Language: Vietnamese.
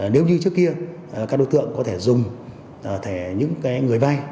nếu như trước kia các đối tượng có thể dùng thẻ những người vay